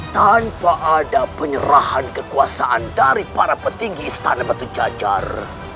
tanpa ada penyerahan kekuasaan dari para petinggi istana batu jajar